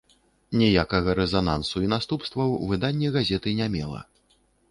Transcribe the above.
Ніякага рэзанансу і наступстваў выданне газеты не мела.